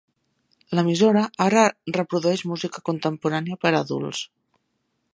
L'emissora ara reprodueix música contemporània per a adults.